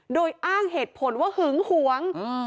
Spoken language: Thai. โดยอ้างเหตุผลว่าหึงหวง